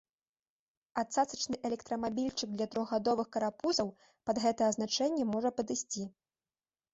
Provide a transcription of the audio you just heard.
А цацачны электрамабільчык для трохгадовых карапузаў пад гэта азначэнне можа падысці.